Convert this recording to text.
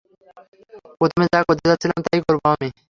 প্রথমে যা করতে যাচ্ছিলাম, তাই করবো আমি।